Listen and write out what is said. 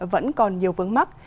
vẫn còn nhiều vướng mắt